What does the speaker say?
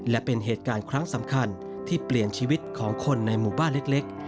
และเป็นเหตุการณ์ครั้งสำคัญที่เปลี่ยนชีวิตของคนในหมู่บ้านเล็ก